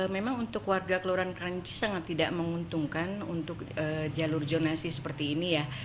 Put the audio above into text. memang untuk warga kelurahan kerancis sangat tidak menguntungkan untuk jalur jonasi seperti ini ya